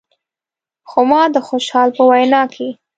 خو ما د خوشحال په وینا کې.